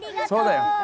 そうだよ！